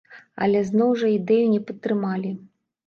Але зноў жа ідэю не падтрымалі.